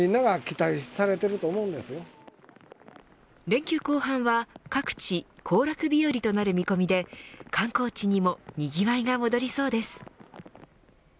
連休後半は、各地行楽日和となる見込みで観光地にもにぎわいが戻りそうです。